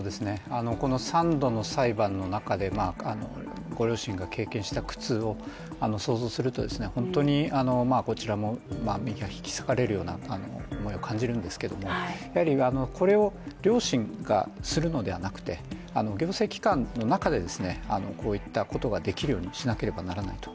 この３度の裁判の中でご両親が経験した苦痛を想像すると、本当にこちらも身が引き裂かれるような思いを感じるんですがやはりこれを、両親がするのではなくて行政機関の中でこういったことができるようにしなければならないと。